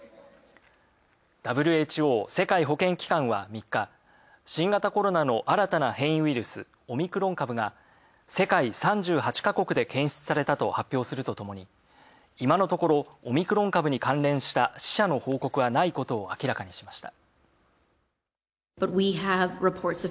ＷＨＯ＝世界保健機関は３日、新型コロナの新たな変異ウイルスオミクロン株が世界３８ヶ国で検出されたと発表するとともに今のところオミクロン株に関連した死者の報告はないことを明らかにしました。